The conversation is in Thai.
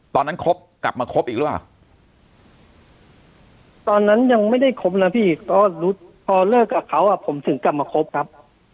คบกลับมาคบอีกหรือเปล่าตอนนั้นยังไม่ได้คบนะพี่ก็รู้พอเลิกกับเขาอ่ะผมถึงกลับมาคบครับ